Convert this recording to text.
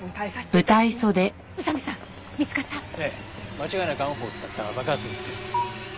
間違いなくＡＮＦＯを使った爆発物です。